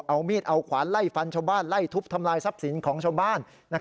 เอามีดเอาขวานไล่ฟันชาวบ้านไล่ทุบทำลายทรัพย์สินของชาวบ้าน